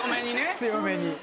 強めに。